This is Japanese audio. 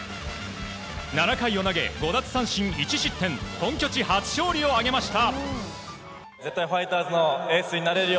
７回を投げ５奪三振１失点本拠地初勝利を挙げました。